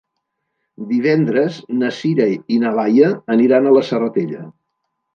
Divendres na Sira i na Laia aniran a la Serratella.